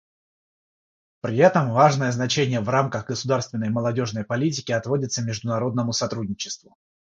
При этом важное значение в рамках государственной молодежной политики отводится международному сотрудничеству.